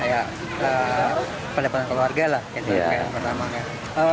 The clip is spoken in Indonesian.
ya perempuan keluarga lah